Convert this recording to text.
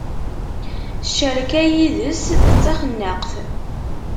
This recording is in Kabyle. Ccerka yid-s d taxennaqt.